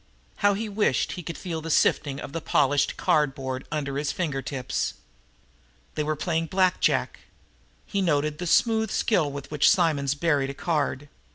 How he wished he could feel that sifting of the polished cardboard under his finger tips. They were playing Black Jack. He noted the smooth skill with which Simonds buried a card.